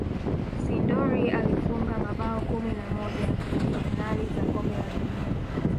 sindor alifunga mabao kumi na moja kwenye fainali za kombe la dunia